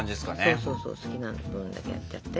そうそうそう好きな分だけやっちゃって。